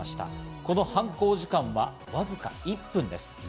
この犯行時間はわずか１分です。